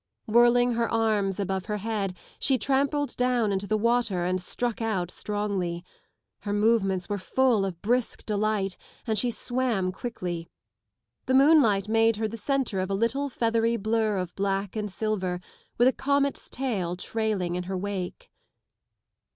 Whirling Her arms above her head she trampled down into the water and struck out strongly. Her movements were lull of brisk delight and she swam quickly. The moonlight made her the centre of a little feathery blur of black and silver, with a comet's tail trailing in her wake.